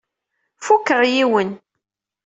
Fukeɣ yiwen.